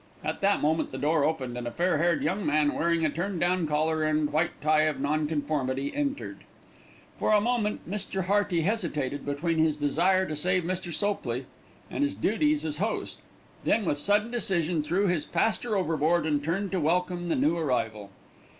At that moment the door opened and a fair haired young man, wearing the turndown collar and white tie of nonconformity, entered. For a moment Mr. Hearty hesitated between his desire to save Mr. Sopley and his duties as host, then with sudden decision threw his pastor overboard, and turned to welcome the new arrival.